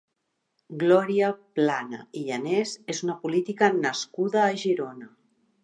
Glòria Plana Yanes és una política nascuda a Girona.